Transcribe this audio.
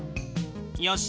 よし。